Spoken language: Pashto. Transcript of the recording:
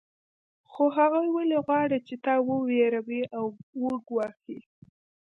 خو هغوی ولې غواړي چې تا وویروي او وګواښي